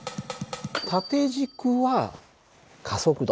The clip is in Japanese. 縦軸は加速度。